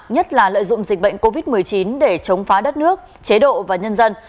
nhất là lợi dụng dịch bệnh covid một mươi chín để chống phá đất nước chế độ và nhân dân